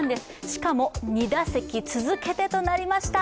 しかも２打席続けてとなりました。